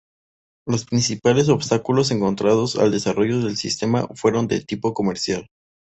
Los principales obstáculos encontrados al desarrollo del sistema fueron de tipo comercial.